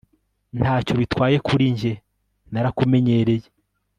ntacyo bitwaye kuri njye narakumenyereye